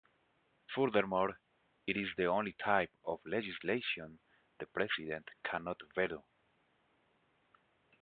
Furthermore, it is the only type of legislation the President cannot veto.